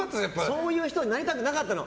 そういう人になりたくなかったの。